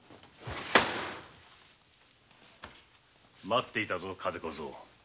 待っていたぞ風小僧。